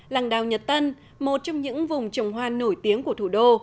làng đào nhật tân một trong những vùng trồng hoa nổi tiếng của thủ đô